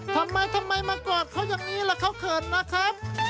ทำไมทำไมมากอดเขาอย่างนี้ล่ะเขาเขินนะครับ